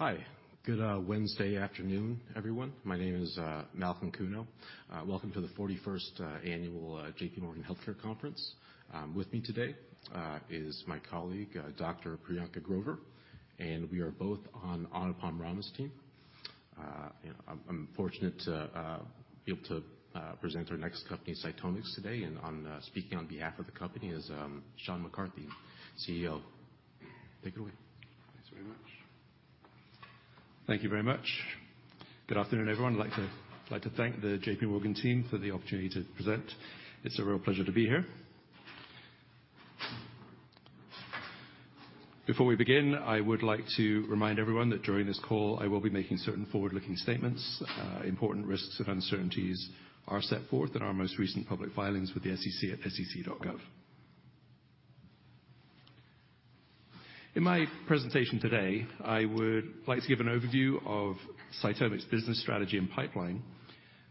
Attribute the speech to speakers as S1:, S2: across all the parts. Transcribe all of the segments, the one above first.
S1: Hi. Good Wednesday afternoon, everyone. My name is Malcolm Kuno. Welcome to the 41st Annual J.P. Morgan Healthcare Conference. With me today is my colleague, Dr. Priyanka Grover, and we are both on Anupam Rama's team. You know, I'm fortunate to be able to present our next company, CytomX, today. On speaking on behalf of the company is Sean McCarthy, CEO. Take it away.
S2: Thanks very much. Thank you very much. Good afternoon, everyone. I'd like to thank the J.P. Morgan team for the opportunity to present. It's a real pleasure to be here. Before we begin, I would like to remind everyone that during this call, I will be making certain forward-looking statements. Important risks of uncertainties are set forth in our most recent public filings with the SEC at sec.gov. In my presentation today, I would like to give an overview of CytomX business strategy and pipeline,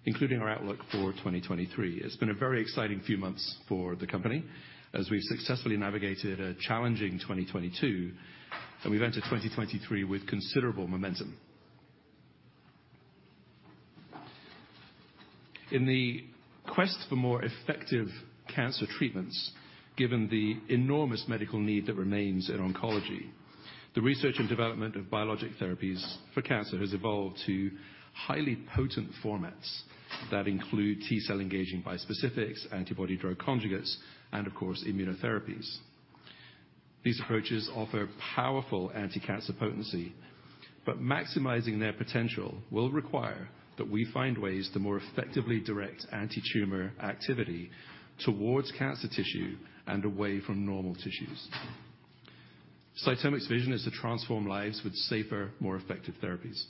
S2: including our outlook for 2023. It's been a very exciting few months for the company as we've successfully navigated a challenging 2022, and we've entered 2023 with considerable momentum. In the quest for more effective cancer treatments, given the enormous medical need that remains in oncology, the research and development of biologic therapies for cancer has evolved to highly potent formats that include T-cell engaging bispecifics, antibody-drug conjugates, and of course, immunotherapies. These approaches offer powerful anticancer potency, maximizing their potential will require that we find ways to more effectively direct antitumor activity towards cancer tissue and away from normal tissues. CytomX vision is to transform lives with safer, more effective therapies.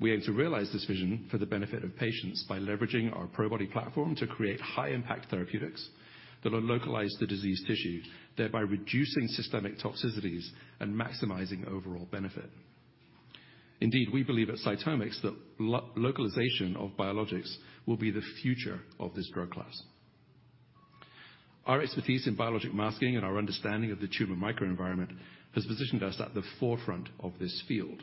S2: We aim to realize this vision for the benefit of patients by leveraging our Probody platform to create high-impact therapeutics that will localize the disease tissue, thereby reducing systemic toxicities and maximizing overall benefit. Indeed, we believe at CytomX that localization of biologics will be the future of this drug class. Our expertise in biologic masking and our understanding of the tumor microenvironment has positioned us at the forefront of this field.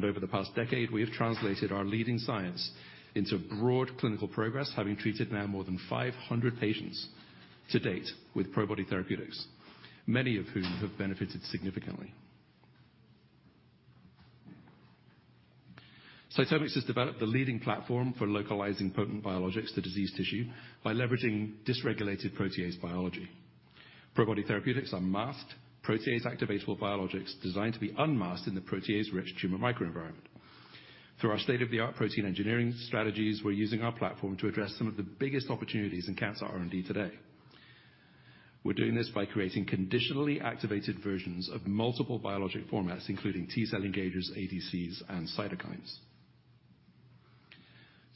S2: Over the past decade, we have translated our leading science into broad clinical progress, having treated now more than 500 patients to date with Probody therapeutics, many of whom have benefited significantly. CytomX has developed the leading platform for localizing potent biologics to disease tissue by leveraging dysregulated protease biology. Probody therapeutics are masked, protease-activatable biologics designed to be unmasked in the protease-rich tumor microenvironment. Through our state-of-the-art protein engineering strategies, we're using our platform to address some of the biggest opportunities in cancer R&D today. We're doing this by creating conditionally activated versions of multiple biologic formats, including T-cell engagers, ADCs, and cytokines.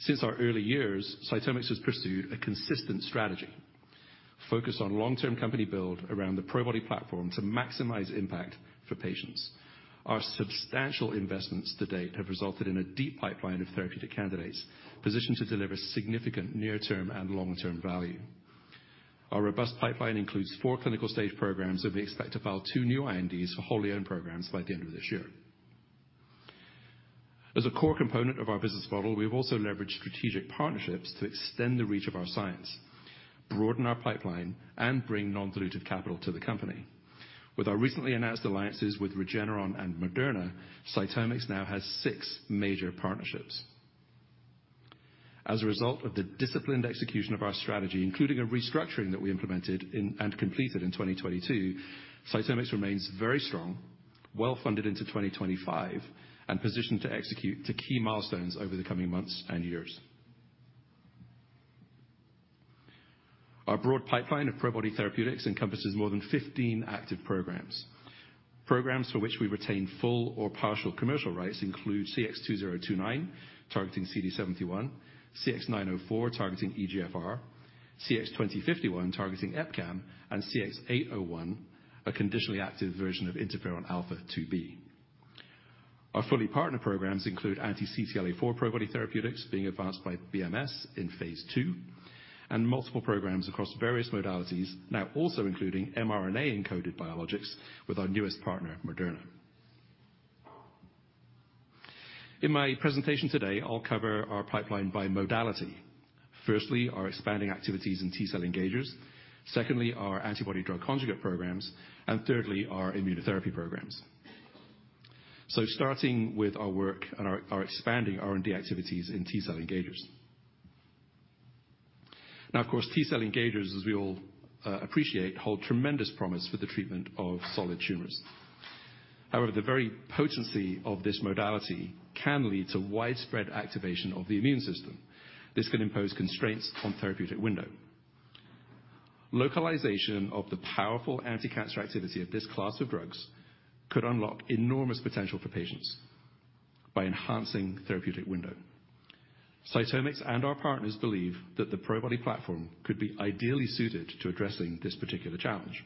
S2: Since our early years, CytomX has pursued a consistent strategy focused on long-term company build around the Probody platform to maximize impact for patients. Our substantial investments to date have resulted in a deep pipeline of therapeutic candidates positioned to deliver significant near-term and long-term value. Our robust pipeline includes four clinical stage programs, and we expect to file two new INDs for wholly owned programs by the end of this year. As a core component of our business model, we have also leveraged strategic partnerships to extend the reach of our science, broaden our pipeline, and bring non-dilutive capital to the company. With our recently announced alliances with Regeneron and Moderna, CytomX now has six major partnerships. As a result of the disciplined execution of our strategy, including a restructuring that we implemented in and completed in 2022, CytomX remains very strong, well-funded into 2025, and positioned to execute to key milestones over the coming months and years. Our broad pipeline of Probody therapeutics encompasses more than 15 active programs. Programs for which we retain full or partial commercial rights include CX-2029, targeting CD71, CX-904 targeting EGFR, CX-2051 targeting EpCAM, and CX-801, a conditionally active version of interferon alfa-2b. Our fully partnered programs include anti-CTLA-4 Probody therapeutics being advanced by BMS in phase II, and multiple programs across various modalities, now also including mRNA-encoded biologics with our newest partner, Moderna. In my presentation today, I'll cover our pipeline by modality. Firstly, our expanding activities in T-cell engagers, secondly, our antibody-drug conjugate programs, and thirdly, our immunotherapy programs. Starting with our work and our expanding R&D activities in T-cell engagers. Now, of course, T-cell engagers, as we all appreciate, hold tremendous promise for the treatment of solid tumors. However, the very potency of this modality can lead to widespread activation of the immune system. This can impose constraints on therapeutic window. Localization of the powerful anticancer activity of this class of drugs could unlock enormous potential for patients by enhancing therapeutic window. CytomX and our partners believe that the Probody platform could be ideally suited to addressing this particular challenge.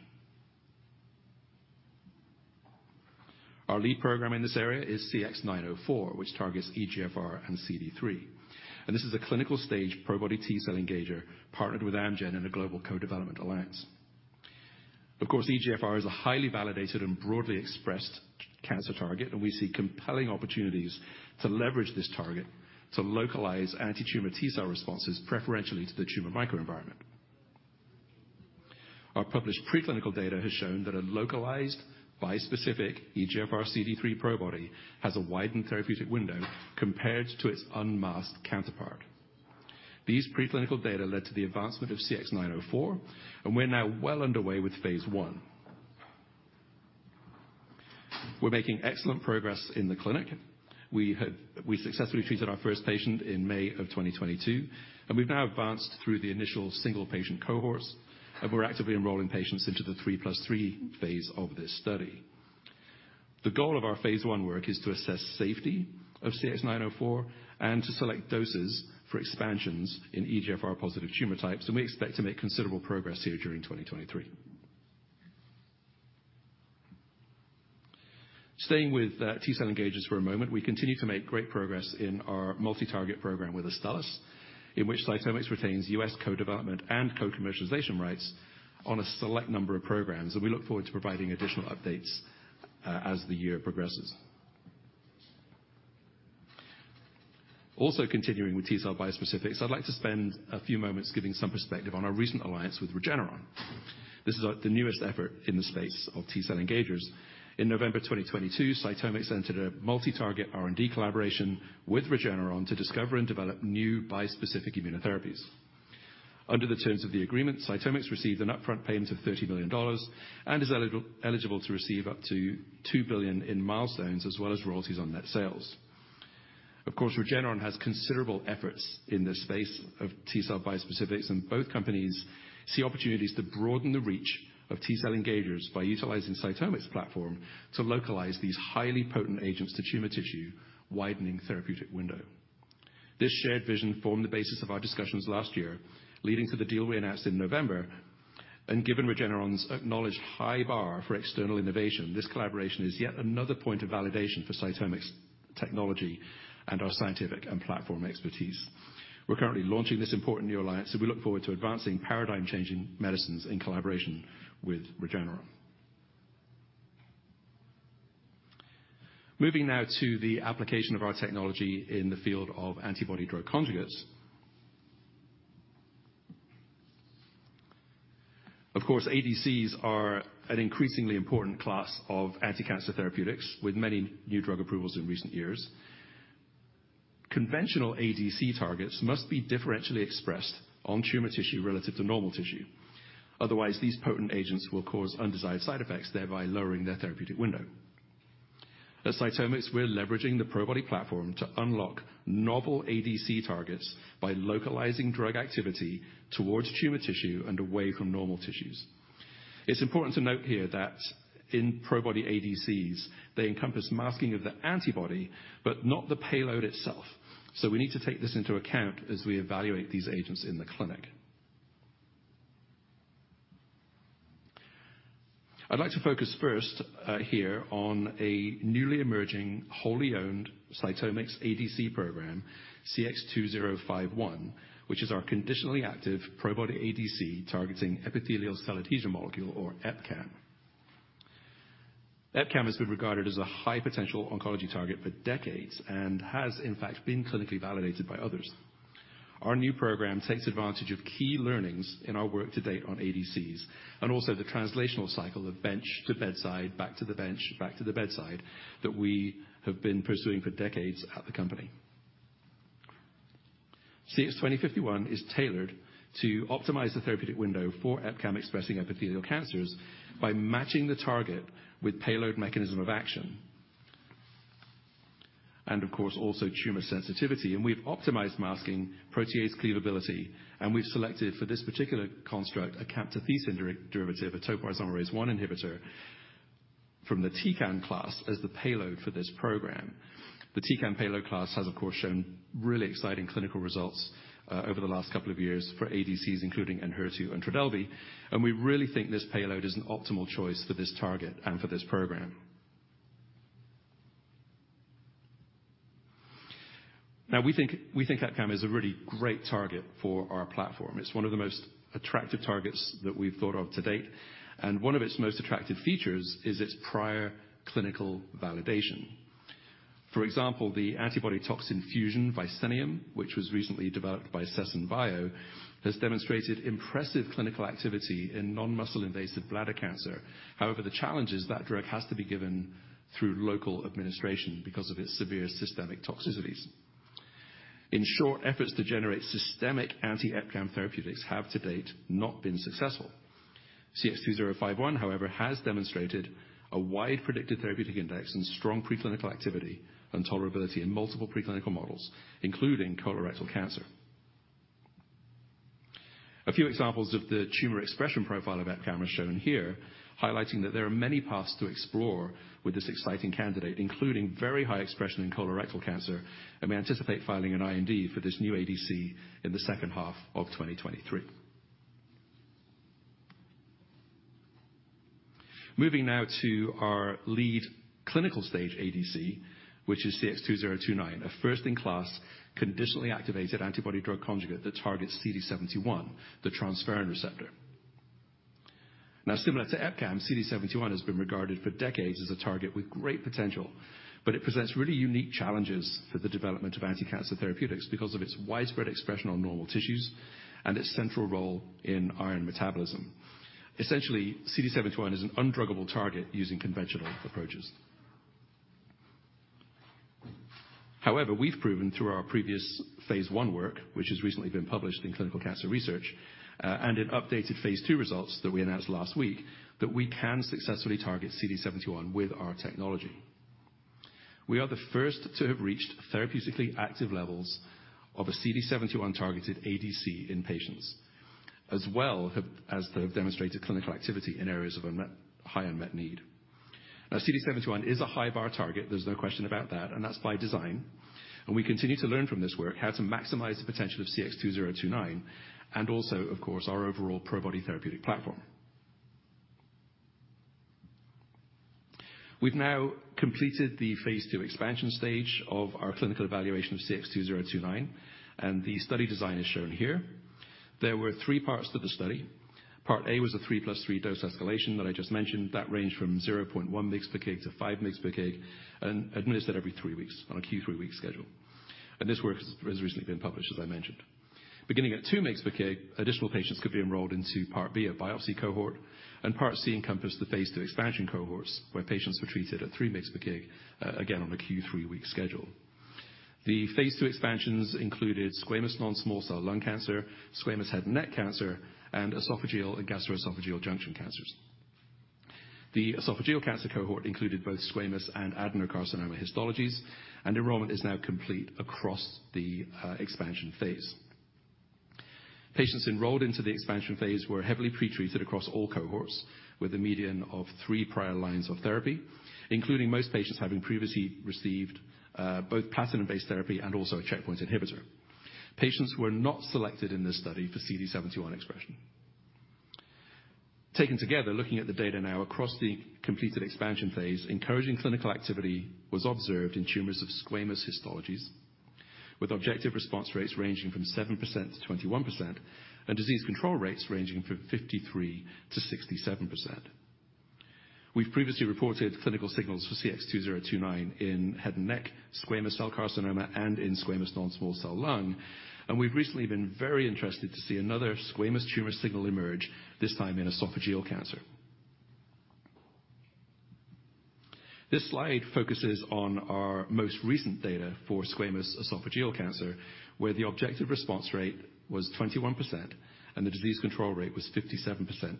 S2: Our lead program in this area is CX-904, which targets EGFR and CD3. This is a clinical stage Probody T-cell engager partnered with Amgen in a global co-development alliance. Of course, EGFR is a highly validated and broadly expressed cancer target, and we see compelling opportunities to leverage this target to localize anti-tumor T-cell responses preferentially to the tumor microenvironment. Our published preclinical data has shown that a localized bispecific EGFR CD3 Probody has a widened therapeutic window compared to its unmasked counterpart. These preclinical data led to the advancement of CX-904, and we're now well underway with phase I. We're making excellent progress in the clinic. We successfully treated our first patient in May of 2022, and we've now advanced through the initial single-patient cohorts, and we're actively enrolling patients into the 3+ 3 phase of this study. The goal of our phase I work is to assess safety of CX-904 and to select doses for expansions in EGFR-positive tumor types. We expect to make considerable progress here during 2023. Staying with T-cell engagers for a moment, we continue to make great progress in our multi-target program with Astellas, in which CytomX retains U.S. co-development and co-commercialization rights on a select number of programs. We look forward to providing additional updates as the year progresses. Continuing with T-cell bispecifics, I'd like to spend a few moments giving some perspective on our recent alliance with Regeneron. This is the newest effort in the space of T-cell engagers. In November 2022, CytomX entered a multi-target R&D collaboration with Regeneron to discover and develop new bispecific immunotherapies. Under the terms of the agreement, CytomX received an upfront payment of $30 million and is eligible to receive up to $2 billion in milestones as well as royalties on net sales. Of course, Regeneron has considerable efforts in this space of T-cell bispecifics, and both companies see opportunities to broaden the reach of T-cell engagers by utilizing CytomX platform to localize these highly potent agents to tumor tissue widening therapeutic window. This shared vision formed the basis of our discussions last year, leading to the deal we announced in November. Given Regeneron's acknowledged high bar for external innovation, this collaboration is yet another point of validation for CytomX technology and our scientific and platform expertise. We're currently launching this important new alliance, and we look forward to advancing paradigm-changing medicines in collaboration with Regeneron. Moving now to the application of our technology in the field of antibody-drug conjugates. Of course, ADCs are an increasingly important class of anticancer therapeutics with many new drug approvals in recent years. Conventional ADC targets must be differentially expressed on tumor tissue relative to normal tissue. Otherwise, these potent agents will cause undesired side effects, thereby lowering their therapeutic window. At CytomX, we're leveraging the Probody platform to unlock novel ADC targets by localizing drug activity towards tumor tissue and away from normal tissues. It's important to note here that in Probody ADCs, they encompass masking of the antibody, but not the payload itself. We need to take this into account as we evaluate these agents in the clinic. I'd like to focus first, here on a newly emerging, wholly owned CytomX ADC program, CX-2051, which is our conditionally active Probody ADC targeting epithelial cell adhesion molecule or EpCAM. EpCAM has been regarded as a high-potential oncology target for decades and has in fact been clinically validated by others. Our new program takes advantage of key learnings in our work to date on ADCs and also the translational cycle of bench to bedside, back to the bench, back to the bedside that we have been pursuing for decades at the company. CX-2051 is tailored to optimize the therapeutic window for EpCAM expressing epithelial cancers by matching the target with payload mechanism of action and of course, also tumor sensitivity, and we've optimized masking protease cleavability, and we've selected for this particular construct a camptothecin derivative, a topoisomerase I inhibitor from the TCAM class as the payload for this program. The TCAM payload class has of course, shown really exciting clinical results over the last couple of years for ADCs, including ENHERTU and TRODELVY, and we really think this payload is an optimal choice for this target and for this program. We think EpCAM is a really great target for our platform. It's one of the most attractive targets that we've thought of to date, and one of its most attractive features is its prior clinical validation. For example, the antibody toxin fusion Vicineum, which was recently developed by Sesen Bio, has demonstrated impressive clinical activity in non-muscle-invasive bladder cancer. However, the challenge is that drug has to be given through local administration because of its severe systemic toxicities. In short, efforts to generate systemic anti-EpCAM therapeutics have to date not been successful. CX-2051, however, has demonstrated a wide predicted therapeutic index and strong preclinical activity and tolerability in multiple preclinical models, including colorectal cancer. A few examples of the tumor expression profile of EpCAM are shown here, highlighting that there are many paths to explore with this exciting candidate, including very high expression in colorectal cancer, and we anticipate filing an IND for this new ADC in the second half of 2023. Moving now to our lead clinical stage ADC, which is CX-2029, a first-in-class conditionally activated antibody-drug conjugate that targets CD71, the transferrin receptor. Now, similar to EpCAM, CD71 has been regarded for decades as a target with great potential, but it presents really unique challenges for the development of anticancer therapeutics because of its widespread expression on normal tissues and its central role in iron metabolism. Essentially, CD71 is an undruggable target using conventional approaches. However, we've proven through our previous phase I work, which has recently been published in Clinical Cancer Research, and in updated phase II results that we announced last week, that we can successfully target CD71 with our technology. We are the first to have reached therapeutically active levels of a CD71-targeted ADC in patients, as well as have demonstrated clinical activity in areas of high unmet need. Now CD71 is a high bar target, there's no question about that, and that's by design. We continue to learn from this work how to maximize the potential of CX-2029 and also, of course, our overall Probody therapeutic platform. We've now completed the phase II expansion stage of our clinical evaluation of CX-2029, and the study design is shown here. There were three parts to the study. Part A was a 3+ 3 dose escalation that I just mentioned. That ranged from 0.1 mgs/kg to 5 mgs/kg and administered every three weeks on a Q3W schedule. This work has recently been published, as I mentioned. Beginning at 2 mgs/kg, additional patients could be enrolled into part B, a biopsy cohort, and part C encompassed the phase II expansion cohorts, where patients were treated at 3 mgs/kg again on a Q3W schedule. The phase II expansions included squamous non-small cell lung cancer, squamous head and neck cancer, and esophageal and gastroesophageal junction cancers. The esophageal cancer cohort included both squamous and adenocarcinoma histologies, enrollment is now complete across the expansion phase. Patients enrolled into the expansion phase were heavily pretreated across all cohorts with a median of 3 prior lines of therapy, including most patients having previously received both platinum-based therapy and also a checkpoint inhibitor. Patients were not selected in this study for CD71 expression. Taken together, looking at the data now across the completed expansion phase, encouraging clinical activity was observed in tumors of squamous histologies with objective response rates ranging from 7%-21% and disease control rates ranging from 53%-67%. We've previously reported clinical signals for CX-2029 in head and neck squamous cell carcinoma, and in squamous non-small cell lung. We've recently been very interested to see another squamous tumor signal emerge, this time in esophageal cancer. This slide focuses on our most recent data for squamous esophageal cancer, where the objective response rate was 21% and the disease control rate was 57%.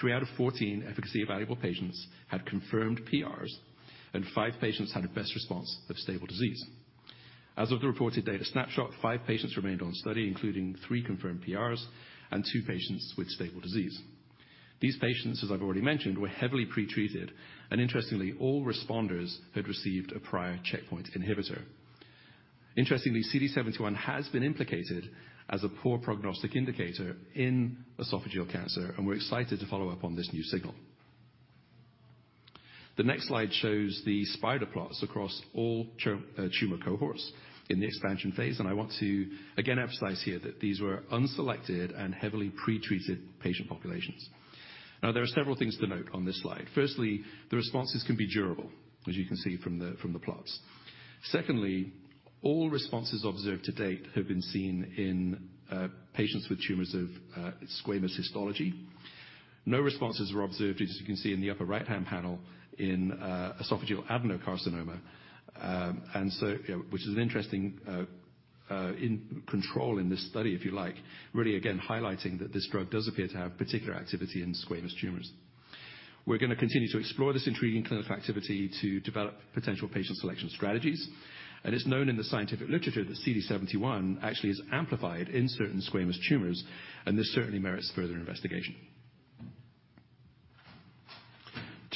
S2: 3 out of 14 efficacy evaluable patients had confirmed PRs, and 5 patients had a best response of stable disease. As of the reported data snapshot, 5 patients remained on study, including three confirmed PRs and two patients with stable disease. These patients, as I've already mentioned, were heavily pretreated, and interestingly, all responders had received a prior checkpoint inhibitor. Interestingly, CD71 has been implicated as a poor prognostic indicator in esophageal cancer, and we're excited to follow up on this new signal. The next slide shows the spider plots across all tumor cohorts in the expansion phase, I want to again emphasize here that these were unselected and heavily pretreated patient populations. There are several things to note on this slide. Firstly, the responses can be durable, as you can see from the plots. Secondly, all responses observed to date have been seen in patients with tumors of squamous histology. No responses were observed, as you can see in the upper right-hand panel, in esophageal adenocarcinoma, which is an interesting control in this study, if you like, really again highlighting that this drug does appear to have particular activity in squamous tumors. We're gonna continue to explore this intriguing clinical activity to develop potential patient selection strategies. It's known in the scientific literature that CD71 actually is amplified in certain squamous tumors, and this certainly merits further investigation.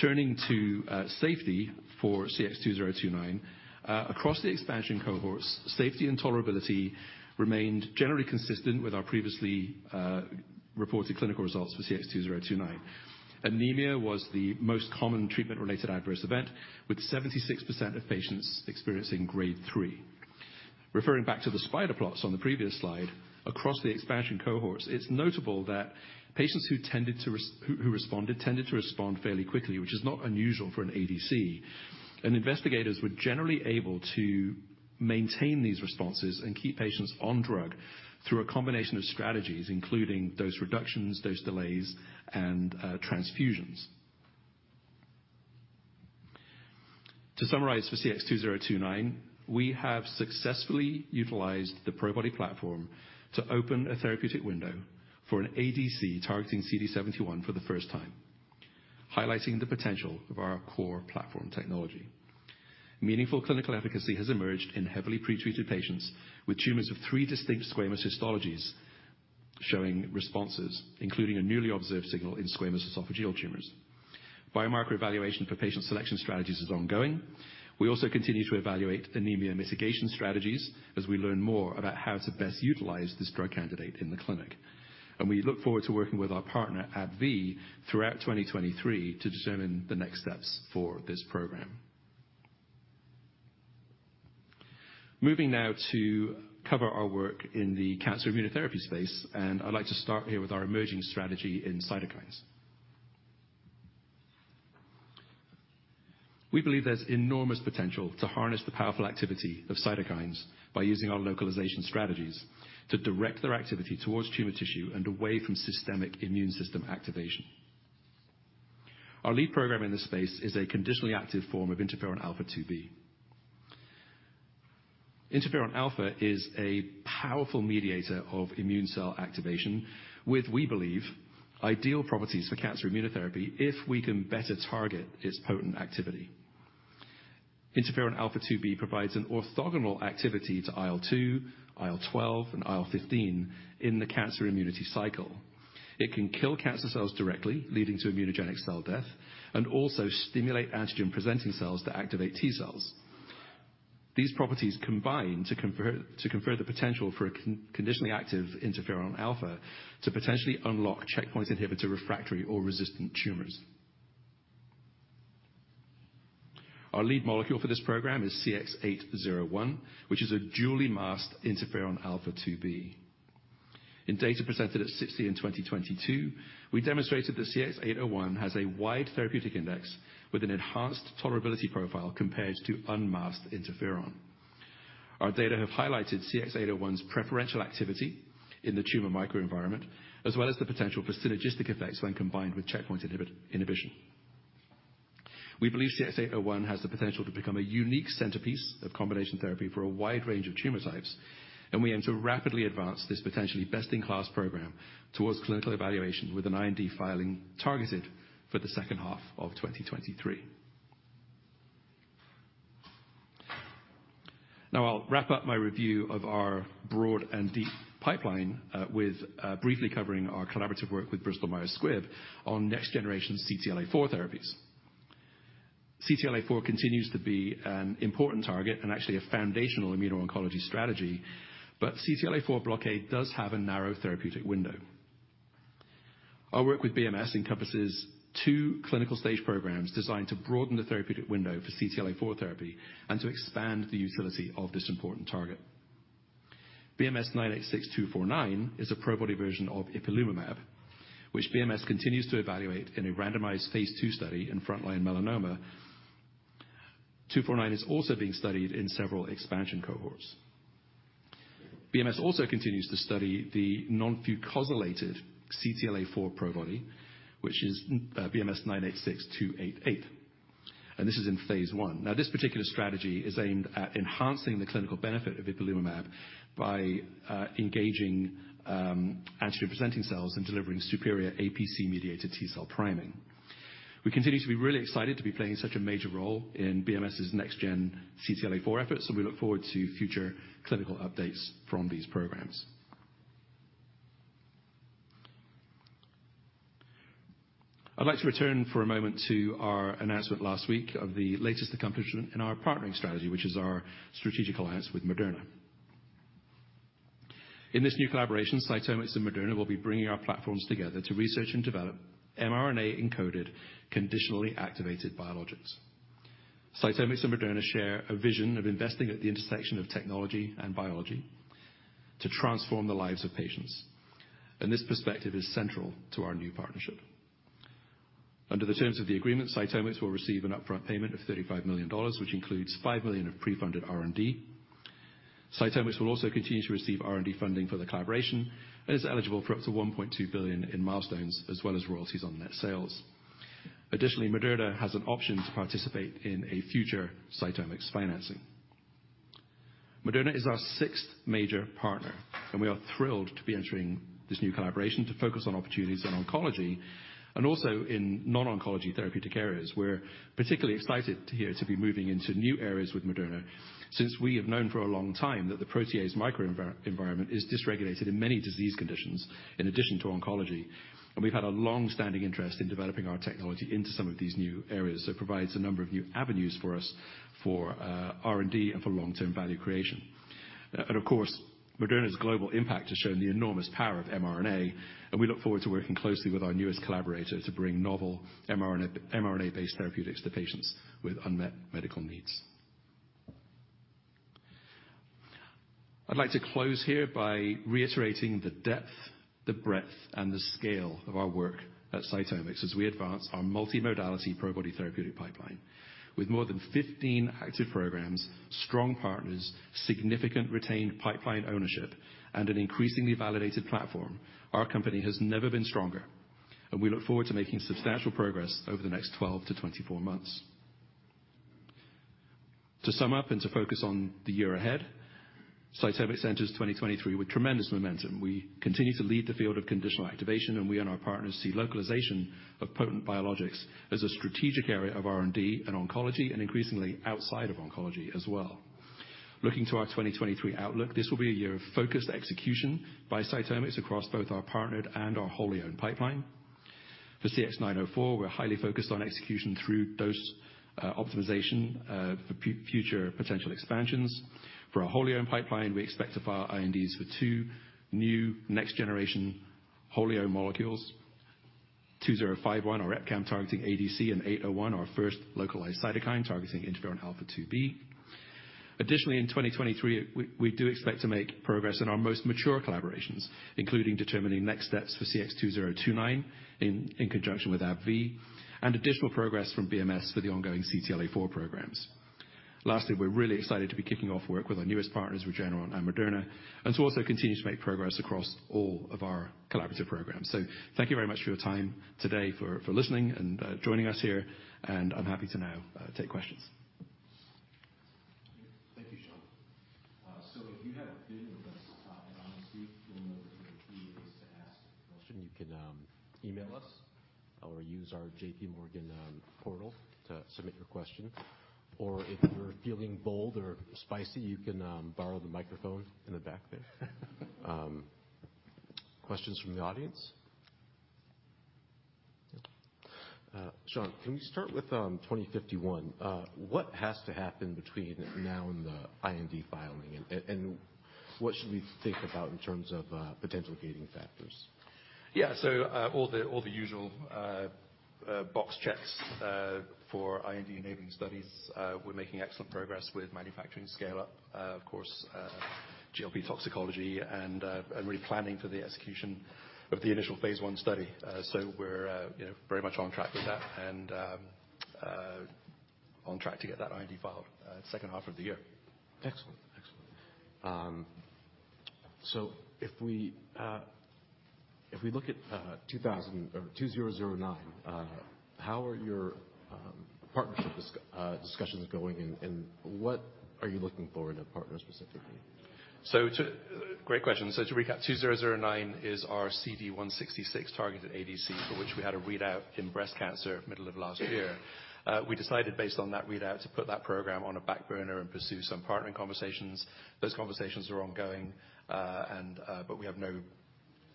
S2: Turning to safety for CX-2029. Across the expansion cohorts, safety and tolerability remained generally consistent with our previously reported clinical results for CX-2029. Anemia was the most common treatment-related adverse event, with 76% of patients experiencing grade three. Referring back to the spider plots on the previous slide, across the expansion cohorts, it's notable that patients who tended to respond tended to respond fairly quickly, which is not unusual for an ADC. Investigators were generally able to maintain these responses and keep patients on drug through a combination of strategies, including dose reductions, dose delays, and transfusions. To summarize for CX-2029, we have successfully utilized the Probody platform to open a therapeutic window for an ADC targeting CD71 for the first time, highlighting the potential of our core platform technology. Meaningful clinical efficacy has emerged in heavily pretreated patients with tumors of three distinct squamous histologies showing responses, including a newly observed signal in squamous esophageal tumors. Biomarker evaluation for patient selection strategies is ongoing. We also continue to evaluate anemia mitigation strategies as we learn more about how to best utilize this drug candidate in the clinic. We look forward to working with our partner AbbVie throughout 2023 to determine the next steps for this program. Moving now to cover our work in the cancer immunotherapy space. I'd like to start here with our emerging strategy in cytokines. We believe there's enormous potential to harness the powerful activity of cytokines by using our localization strategies to direct their activity towards tumor tissue and away from systemic immune system activation. Our lead program in this space is a conditionally active form of interferon alfa-2b. Interferon alpha is a powerful mediator of immune cell activation with, we believe, ideal properties for cancer immunotherapy if we can better target its potent activity. Interferon alfa-2b provides an orthogonal activity to IL-2, IL-12, and IL-15 in the Cancer-Immunity Cycle. It can kill cancer cells directly, leading to immunogenic cell death, and also stimulate antigen-presenting cells to activate T-cells. These properties combine to confer the potential for a conditionally active interferon alpha to potentially unlock checkpoint inhibitor refractory or resistant tumors. Our lead molecule for this program is CX-801, which is a duly masked interferon alfa-2b. In data presented at SITC in 2022, we demonstrated that CX-801 has a wide therapeutic index with an enhanced tolerability profile compared to unmasked interferon. Our data have highlighted CX-801's preferential activity in the tumor microenvironment, as well as the potential for synergistic effects when combined with checkpoint inhibition. We believe CX-801 has the potential to become a unique centerpiece of combination therapy for a wide range of tumor types. We aim to rapidly advance this potentially best-in-class program towards clinical evaluation with an IND filing targeted for the second half of 2023. I'll wrap up my review of our broad and deep pipeline, with briefly covering our collaborative work with Bristol Myers Squibb on next-generation CTLA-4 therapies. CTLA-4 continues to be an important target and actually a foundational immuno-oncology strategy. CTLA-4 blockade does have a narrow therapeutic window. Our work with BMS encompasses two clinical stage programs designed to broaden the therapeutic window for CTLA-4 therapy and to expand the utility of this important target. BMS-986249 is a Probody version of ipilimumab, which BMS continues to evaluate in a randomized phase II study in frontline melanoma. 249 is also being studied in several expansion cohorts. BMS also continues to study the non-fucosylated CTLA-4 Probody, which is BMS-986288, and this is in phase I. This particular strategy is aimed at enhancing the clinical benefit of ipilimumab by engaging antigen-presenting cells and delivering superior APC-mediated T-cell priming. We continue to be really excited to be playing such a major role in BMS's next gen CTLA-4 efforts, and we look forward to future clinical updates from these programs. I'd like to return for a moment to our announcement last week of the latest accomplishment in our partnering strategy, which is our strategic alliance with Moderna. In this new collaboration, CytomX and Moderna will be bringing our platforms together to research and develop mRNA-encoded, conditionally activated biologics. CytomX and Moderna share a vision of investing at the intersection of technology and biology to transform the lives of patients, and this perspective is central to our new partnership. Under the terms of the agreement, CytomX will receive an upfront payment of $35 million, which includes $5 million of pre-funded R&D. CytomX will also continue to receive R&D funding for the collaboration and is eligible for up to $1.2 billion in milestones, as well as royalties on net sales. Additionally, Moderna has an option to participate in a future CytomX financing. Moderna is our sixth major partner. We are thrilled to be entering this new collaboration to focus on opportunities in oncology and also in non-oncology therapeutic areas. We're particularly excited here to be moving into new areas with Moderna since we have known for a long time that the protease microenvironment is dysregulated in many disease conditions in addition to oncology. We've had a long-standing interest in developing our technology into some of these new areas. It provides a number of new avenues for us for R&D and for long-term value creation. Of course, Moderna's global impact has shown the enormous power of mRNA, and we look forward to working closely with our newest collaborator to bring novel mRNA-based therapeutics to patients with unmet medical needs. I'd like to close here by reiterating the depth, the breadth, and the scale of our work at CytomX as we advance our multi-modality Probody therapeutic pipeline. With more than 15 active programs, strong partners, significant retained pipeline ownership, and an increasingly validated platform, our company has never been stronger, we look forward to making substantial progress over the next 12-24 months. To sum up and to focus on the year ahead, CytomX enters 2023 with tremendous momentum. We continue to lead the field of conditional activation, we and our partners see localization of potent biologics as a strategic area of R&D and oncology and increasingly outside of oncology as well. Looking to our 2023 outlook, this will be a year of focused execution by CytomX across both our partnered and our wholly owned pipeline. For CX-904, we're highly focused on execution through dose optimization for future potential expansions. For our wholly owned pipeline, we expect to file INDs for two new next-generation wholly owned molecules. CX-2051, our EpCAM targeting ADC, and CX-801, our first localized cytokine targeting interferon alfa-2b. Additionally, in 2023, we do expect to make progress in our most mature collaborations, including determining next steps for CX-2029 in conjunction with AbbVie, and additional progress from BMS for the ongoing CTLA-4 programs. Lastly, we're really excited to be kicking off work with our newest partners, Regeneron and Moderna, and to also continue to make progress across all of our collaborative programs. Thank you very much for your time today, for listening and joining us here. I'm happy to now take questions.
S1: Thank you, Sean. If you have been with us at Analyst Week, you'll know that there are a few ways to ask a question. You can email us or use our J.P. Morgan portal to submit your question. If you're feeling bold or spicy, you can borrow the microphone in the back there. Questions from the audience? Sean, can we start with CX-2051? What has to happen between now and the IND filing? What should we think about in terms of potential gating factors?
S2: All the usual box checks for IND-enabling studies. We're making excellent progress with manufacturing scale-up. Of course, GLP toxicology and we're planning for the execution of the initial phase I study. We're, you know, very much on track with that and on track to get that IND filed second half of the year.
S1: Excellent. If we look at CX-2009, how are your partnership discussions going and what are you looking for in a partner specifically?
S2: Great question. To recap, CX-2009 is our CD166 targeted ADC, for which we had a readout in breast cancer middle of last year. We decided based on that readout to put that program on the back burner and pursue some partnering conversations. Those conversations are ongoing. We have no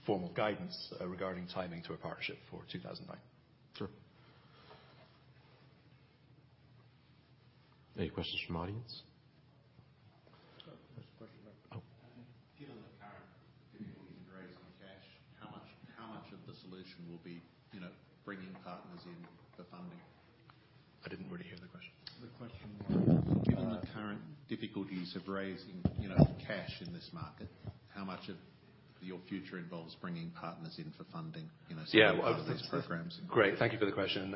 S2: formal guidance regarding timing to a partnership for CX-2009.
S1: Sure. Any questions from the audience?
S3: There's a question at the back.
S1: Oh.
S3: Given the current difficulties in raising cash, how much of the solution will be, you know, bringing partners in for funding?
S2: I didn't really hear the question.
S1: The question was. Given the current difficulties of raising, you know, cash in this market, how much of your future involves bringing partners in for funding, you know?
S2: Yeah.
S1: A lot of these programs involved-
S2: Great. Thank you for the question.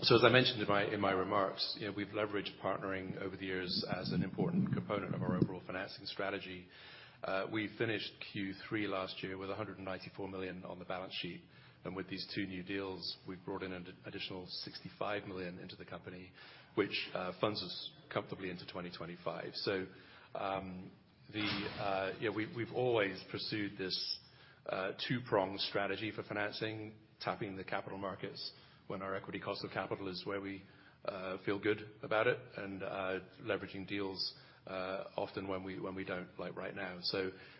S2: As I mentioned in my, in my remarks, you know, we've leveraged partnering over the years as an important component of our overall financing strategy. We finished Q3 last year with $194 million on the balance sheet, with these two new deals, we've brought in an additional $65 million into the company, which funds us comfortably into 2025. You know, we've always pursued this two-prong strategy for financing, tapping the capital markets when our equity cost of capital is where we feel good about it, and leveraging deals often when we, when we don't like right now.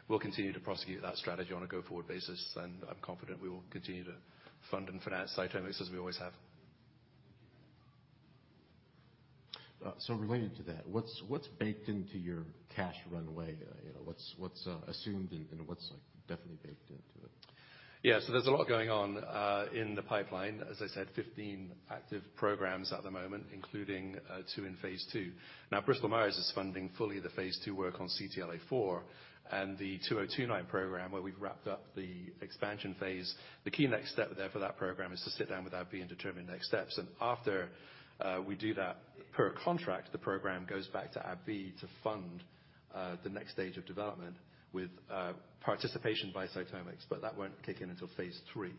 S2: We'll continue to prosecute that strategy on a go-forward basis, and I'm confident we will continue to fund and finance CytomX as we always have.
S1: Related to that, what's baked into your cash runway? You know, what's assumed and what's, like, definitely baked into it?
S2: There's a lot going on in the pipeline. As I said, 15 active programs at the moment, including two in phase II. Now, Bristol Myers is funding fully the phase II work on CTLA-4 and the 2029 program where we've wrapped up the expansion phase. The key next step there for that program is to sit down with AbbVie and determine next steps. After we do that, per contract, the program goes back to AbbVie to fund the next stage of development with participation by CytomX, but that won't kick in until phase III.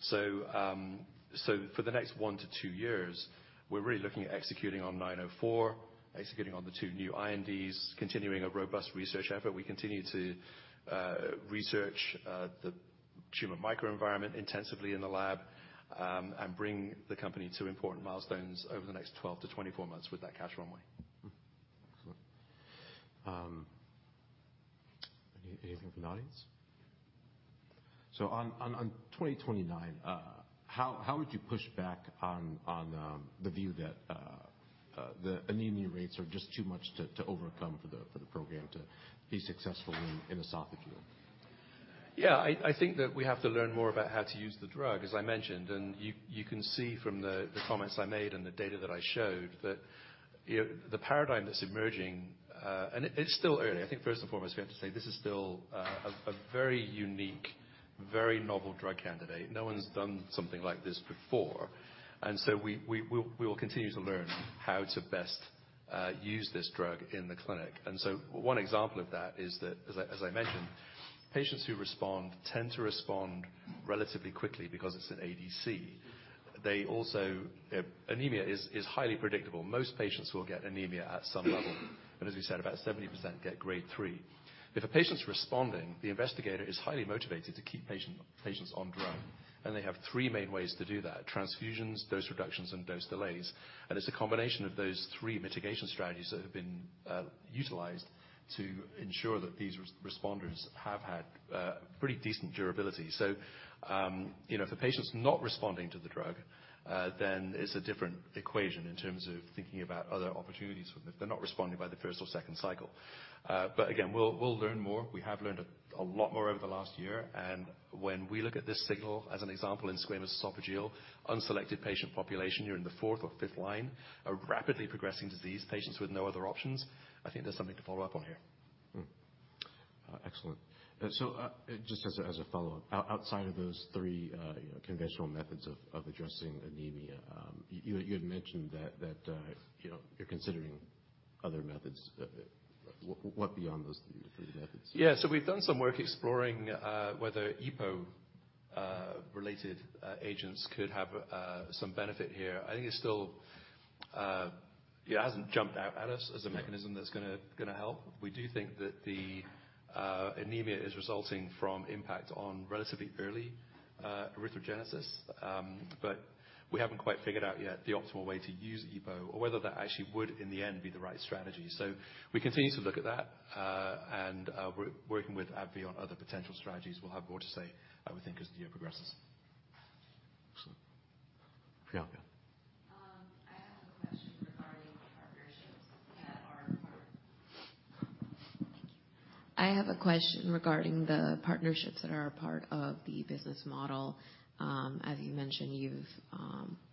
S2: So for the next 1-2 years, we're really looking at executing on 904, executing on the two new INDs, continuing a robust research effort. We continue to research the tumor microenvironment intensively in the lab, and bring the company to important milestones over the next 12 to 24 months with that cash runway.
S1: Excellent. Anything from the audience? On CX-2029, how would you push back on the view that the anemia rates are just too much to overcome for the program to be successful in esophageal?
S2: Yeah. I think that we have to learn more about how to use the drug, as I mentioned. You can see from the comments I made and the data that I showed that, you know, the paradigm that's emerging, and it's still early. I think first and foremost, we have to say this is still a very unique, very novel drug candidate. No one's done something like this before. We'll continue to learn how to best use this drug in the clinic. One example of that is that, as I mentioned, patients who respond tend to respond relatively quickly because it's an ADC. They also. Anemia is highly predictable. Most patients will get anemia at some level, and as we said, about 70% get grade three. If a patient's responding, the investigator is highly motivated to keep patients on drug. They have three main ways to do that: transfusions, dose reductions, and dose delays. It's a combination of those three mitigation strategies that have been utilized to ensure that these responders have had pretty decent durability. You know, if a patient's not responding to the drug, it's a different equation in terms of thinking about other opportunities for them if they're not responding by the first or second cycle. Again, we'll learn more. We have learned a lot more over the last year. When we look at this signal as an example in squamous esophageal unselected patient population, you're in the fourth or fifth line, a rapidly progressing disease, patients with no other options, I think there's something to follow up on here.
S1: Excellent. Just as a follow-up. Outside of those three, you know, conventional methods of addressing anemia, you had mentioned that, you know, you're considering other methods. What beyond those three methods?
S2: Yeah. We've done some work exploring whether EPO related agents could have some benefit here. I think it's still. It hasn't jumped out at us as a mechanism that's gonna help. We do think that the anemia is resulting from impact on relatively early erythropoiesis. We haven't quite figured out yet the optimal way to use EPO or whether that actually would, in the end, be the right strategy. We continue to look at that. We're working with AbbVie on other potential strategies. We'll have more to say, I would think, as the year progresses.
S1: Excellent. Priyanka.
S4: I have a question regarding the partnerships that are a part of the business model. As you mentioned, you've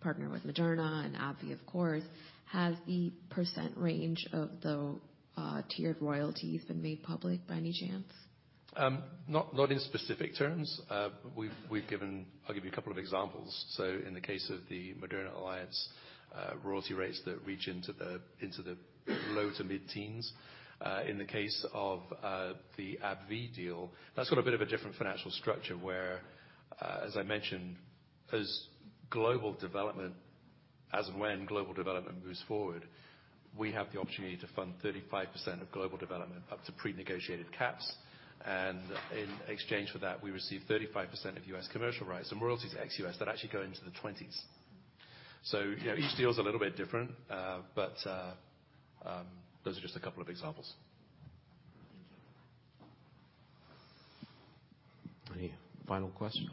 S4: partnered with Moderna and AbbVie, of course. Has the % range of the tiered royalties been made public by any chance?
S2: Not in specific terms. We've given. I'll give you a couple of examples. In the case of the Moderna alliance, royalty rates that reach into the low to mid-teens. In the case of the AbbVie deal, that's got a bit of a different financial structure, where, as I mentioned, as global development, as and when global development moves forward, we have the opportunity to fund 35% of global development up to pre-negotiated caps. In exchange for that, we receive 35% of U.S. commercial rights and royalties ex-U.S. that actually go into the 20s. You know, each deal is a little bit different. Those are just a couple of examples.
S4: Thank you.
S1: Any final questions?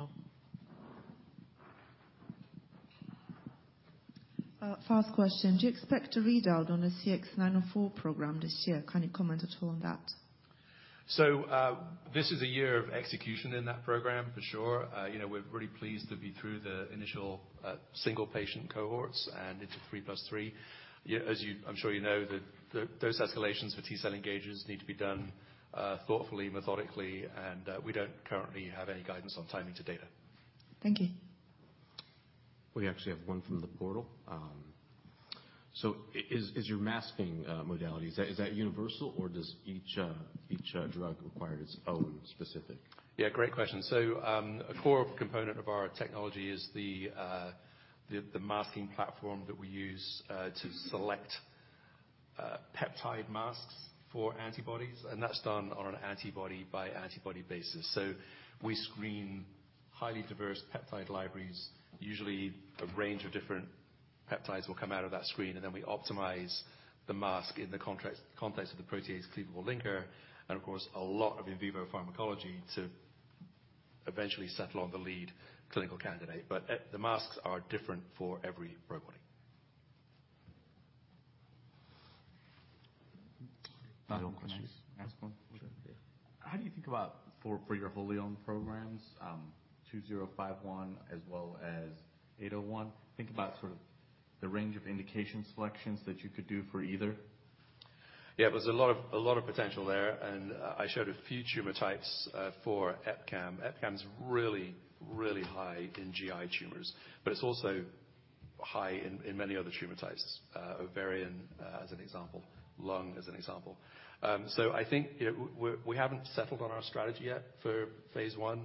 S5: First question. Do you expect to read out on the CX-904 program this year? Can you comment at all on that?
S2: This is a year of execution in that program for sure. You know, we're really pleased to be through the initial single patient cohorts and into three plus three. As you, I'm sure you know, those escalations for T-cell engagers need to be done thoughtfully, methodically, and we don't currently have any guidance on timing to data.
S5: Thank you.
S1: We actually have one from the portal. Is your masking modality, is that universal, or does each drug require its own specific?
S2: Yeah, great question. A core component of our technology is the masking platform that we use to select peptide masks for antibodies, and that's done on an antibody by antibody basis. We screen highly diverse peptide libraries. Usually, a range of different peptides will come out of that screen, and then we optimize the mask in the context of the protease-cleavable linker, and of course, a lot of in vivo pharmacology to eventually settle on the lead clinical candidate. The masks are different for every program.
S1: Any more questions?
S3: Can I just ask one?
S1: Sure. Yeah.
S3: How do you think about for your holion programs, CX-2051 as well as CX-801? Think about sort of the range of indication selections that you could do for either.
S2: Yeah, there's a lot of potential there. I showed a few tumor types for EpCAM. EpCAM is really, really high in GI tumors, but it's also high in many other tumor types. Ovarian, as an example, lung as an example. I think, you know, we're, we haven't settled on our strategy yet for phase I.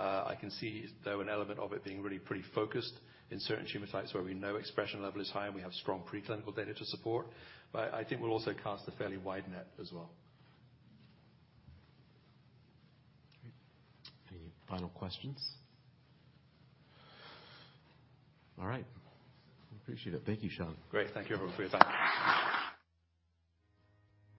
S2: I can see, though, an element of it being really pretty focused in certain tumor types where we know expression level is high and we have strong preclinical data to support. I think we'll also cast a fairly wide net as well.
S1: Great. Any final questions? All right. I appreciate it. Thank you, Sean.
S2: Great. Thank you everyone for your time.